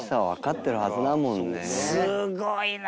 すごいな！